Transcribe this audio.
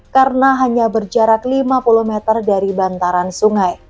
karena hanya berjarak lima puluh meter dari bantaran sungai